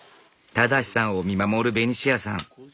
正さんを見守るベニシアさん。